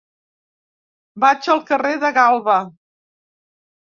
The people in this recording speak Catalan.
Vaig al carrer de Galba.